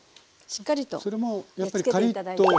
しっかりとつけて頂いて。